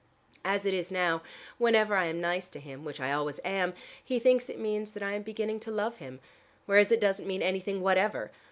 As it is now, whenever I am nice to him, which I always am, he thinks it means that I am beginning to love him. Whereas it doesn't mean anything whatever.